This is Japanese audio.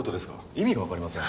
意味がわかりません。